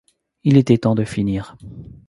Il était temps de finir.